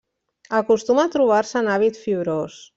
Acostuma a trobar-se en hàbit fibrós.